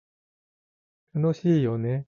楽しいよね